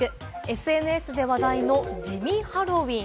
ＳＮＳで話題の地味ハロウィン。